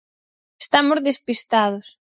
Estamos despistados.